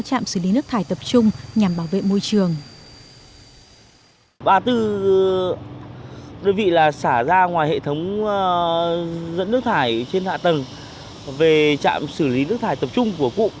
trạm xử lý nước thải tập trung nhằm bảo vệ môi trường